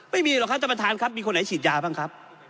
ไม่มีหรอกครับท่านประธานครับมีคนไหนฉีดยาบ้างครับ